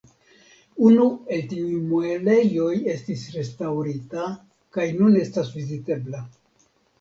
Unu el tiuj muelejoj estis restaŭrita kaj nun estas vizitebla.